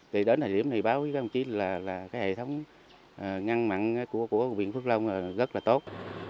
thì đến thời điểm này báo với các ông chí là cái hệ thống ngăn mặn của huyện phước long là rất là tốt